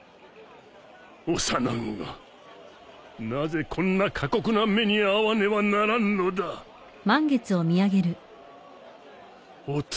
幼子がなぜこんな過酷な目に遭わねばならんのだお玉。